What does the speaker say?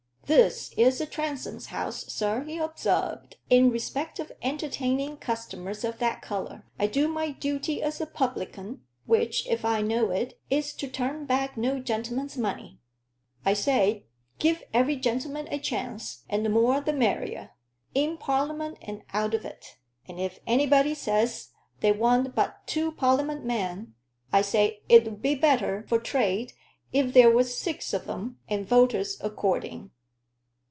"This is a Transome's house, sir," he observed, "in respect of entertaining customers of that color. I do my duty as a publican, which, if I know it, is to turn back no genelman's money. I say, give every genelman a chance, and the more the merrier, in Parl'ment and out of it. And if anybody says they want but two Parl'ment men, I say it 'ud be better for trade if there was six of 'em, and voters according."